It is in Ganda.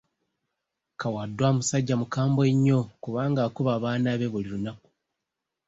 Kawadwa musajja mukambwe nnyo kubanga akuba abaana be buli lunaku.